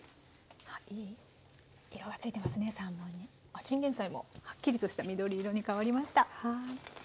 チンゲンサイもはっきりとした緑色に変わりました。